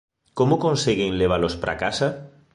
como conseguen levalos para a casa?